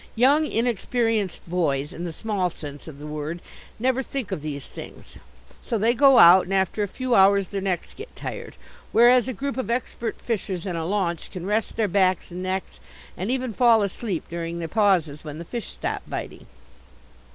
Young inexperienced boys, in the small sense of the word, never think of these things. So they go out and after a few hours their necks get tired; whereas a group of expert fishers in a launch can rest their backs and necks and even fall asleep during the pauses when the fish stop biting.